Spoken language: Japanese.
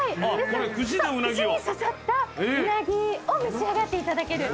串に刺さったうなぎを召し上がっていただける。